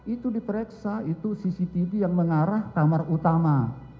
itu di pereksa itu cctv yang mengarah kamar utama